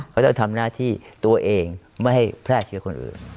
เขาจะทำหน้าที่ตัวเองไม่ให้แพร่เชื้อคนอื่น